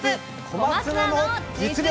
小松菜の実力！